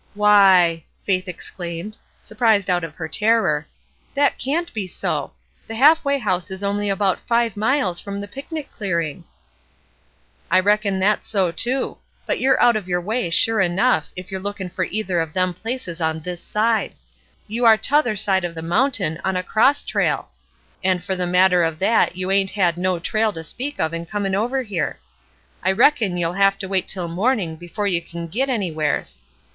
''Why 1 " Faith exclaimed, surprised out of her terror; ''that can't be so; the Half way House is only about five miles from the picnic clearing." "I reckon that's so, too; but you're out of your way, sure enough, if you are lookin' for either of them places on this side. You are t'other side of the mountain, on a cross trail; and for the matter of that you ain't had no trail to speak of in comin' over here. I reckon you'll have to wait till morning before you can git any wheres.